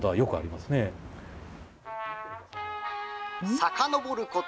さかのぼること